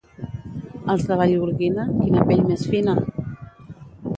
Els de Vallgorguina, quina pell més fina!